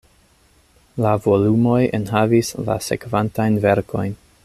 La volumoj enhavis la sekvantajn verkojn.